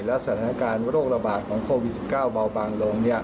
และสถานการณ์โรคระบาดของโควิด๑๙เบาบางลง